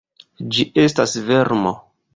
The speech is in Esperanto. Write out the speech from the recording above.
Ĝi estas vermo.